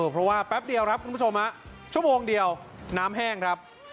เพราะว่าแป๊บเดียวครับคุณผู้ชมชั่วโมงเดียวน้ำแห้งครับ